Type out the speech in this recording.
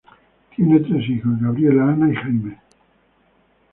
Tiene tres hijos Gabriela, Ana y Jaime.